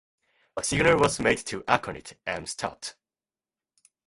A signal was made to "Aconit" "Am stopped.